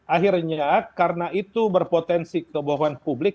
akhirnya karena itu berpotensi kebohongan publik